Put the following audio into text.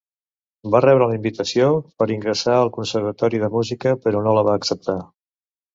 Va rebre la invitació per ingressar al Conservatori de Música, però no la va acceptar.